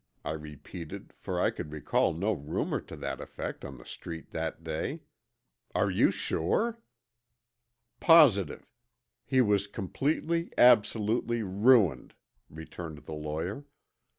I repeated, for I could recall no rumor to that effect on the Street that day. "You are sure?" "Positive. He was completely, absolutely ruined," returned the lawyer.